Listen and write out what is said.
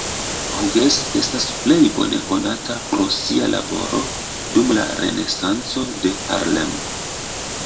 Hughes estas plej bone konata pro sia laboro dum la Renesanco de Harlem.